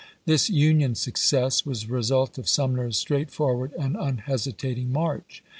This Union success was the result of Sum ner's straightforward and unhesitating march.